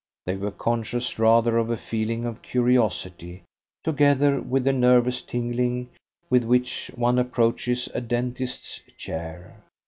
They were conscious rather of a feeling of curiosity, together with the nervous tingling with which one approaches a dentist's chair.